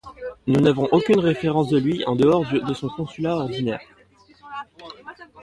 Nous n'avons aucune référence de lui en dehors de son consulat ordinaire.